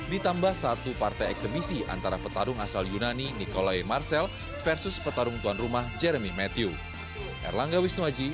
ditambah satu partai eksebisi antara petarung asal yunani nicolaye marcel versus petarung tuan rumah jeremy matthew